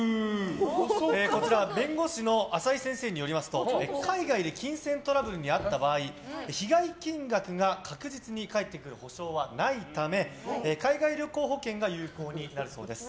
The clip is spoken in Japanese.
こちら弁護士の浅井先生によりますと海外で金銭トラブルに遭った場合被害金額が確実に返ってくる保証がないため海外旅行保険が有効になるそうです。